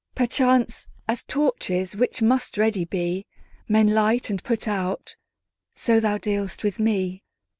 Perchance, as torches, which must ready be, Men light and put out, so thou dealst with me.